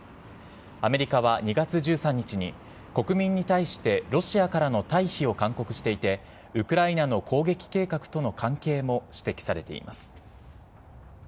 アメリカは２月１３日に国民に対してロシアからの退避を勧告していて、ウクライナの攻撃計画との関係も指摘されています。